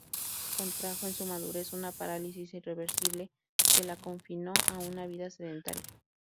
Contrajo en su madurez una parálisis irreversible que la confinó a una vida sedentaria.